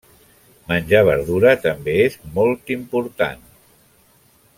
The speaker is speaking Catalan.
Menjar verdura també és molt important.